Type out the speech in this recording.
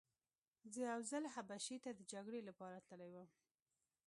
زه یو ځل حبشې ته د جګړې لپاره تللی وم.